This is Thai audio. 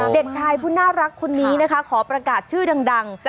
เด็กชายผู้น่ารักคนนี้นะคะขอประกาศชื่อดัง